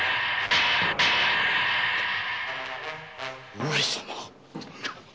上様！？